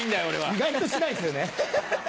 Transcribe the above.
意外としないっすよね。